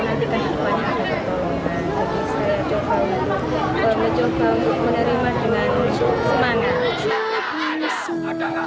kita harus mencoba untuk menerima dengan semangat